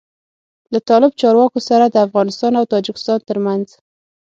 له طالب چارواکو سره د افغانستان او تاجکستان تر منځ